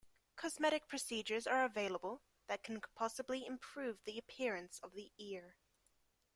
Cosmetic procedures are available that can possibly improve the appearance of the ear.